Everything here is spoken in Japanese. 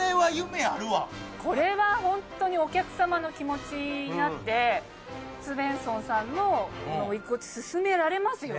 これは本当にお客様の気持ちになってスヴェンソンさんのウィッグを薦められますよね。